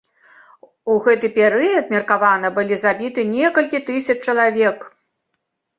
У гэты перыяд меркавана былі забіты некалькі тысяч чалавек.